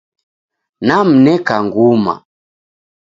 Namneka nguma